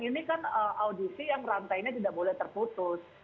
ini kan audisi yang rantainya tidak boleh terputus